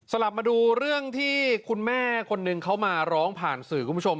กลับมาดูเรื่องที่คุณแม่คนหนึ่งเขามาร้องผ่านสื่อคุณผู้ชม